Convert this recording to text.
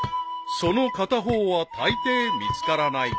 ［その片方はたいてい見つからない］